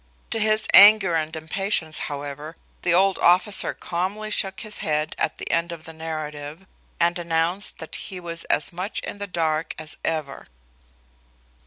To his anger and impatience, however, the old officer calmly shook his head at the end of the narrative, and announced that he was as much in the dark as ever.